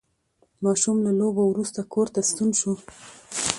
ماشوم له لوبو وروسته کور ته ستون شو